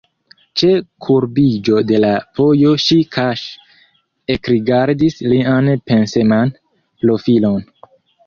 Ĉe kurbiĝo de la vojo ŝi kaŝe ekrigardis lian penseman profilon.